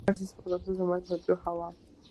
დმანისის პლატოზე ზომიერად ნოტიო ჰავაა.